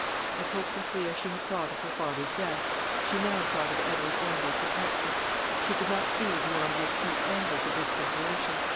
As hopelessly as she had thought of her father's death, she now thought of Edward Arundel's departure. She could not see beyond the acute anguish of this separation.